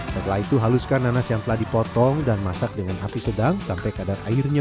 setelah itu haluskan nanas yang telah dipotong dan masak dengan api sedang sampai kadar airnya